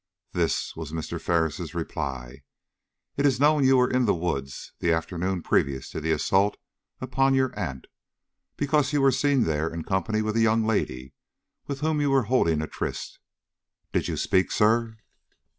"This," was Mr. Ferris' reply. "It is known you were in the woods the afternoon previous to the assault upon your aunt, because you were seen there in company with a young lady with whom you were holding a tryst. Did you speak, sir?"